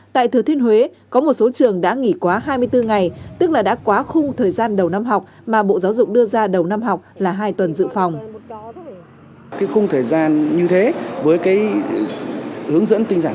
tại thừa thiên huế có một số trường đã nghỉ quá hai mươi bốn ngày tức là đã quá khung thời gian đầu năm học mà bộ giáo dục đưa ra đầu năm học là hai tuần dự phòng